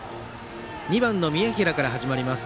２番、宮平から始まります。